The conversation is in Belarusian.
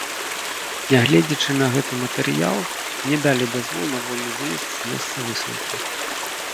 Нягледзячы на гэты матэрыял, мне далі дазвол на вольны выезд з месца высылкі.